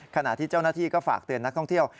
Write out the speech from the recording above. ขณะที่เจ้าหน้าที่ก็ฝากเตือนนักท่องเที่ยว